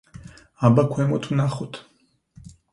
აბა ქვემოთ ვნახოთ.